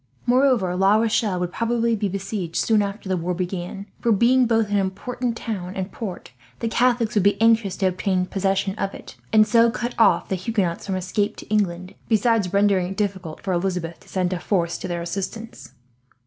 Moreover, La Rochelle would probably be besieged, soon after the war began; for being both an important town and port, the Catholics would be anxious to obtain possession of it, and so cut off the Huguenots from escape to England, besides rendering it difficult for Elizabeth to send a force to their assistance.